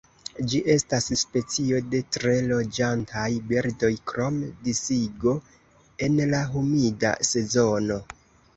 Ĝi estas specio de tre loĝantaj birdoj, krom disigo en la humida sezono.